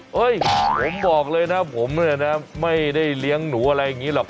เฮ้ยผมบอกเลยนะผมเนี่ยนะไม่ได้เลี้ยงหนูอะไรอย่างนี้หรอก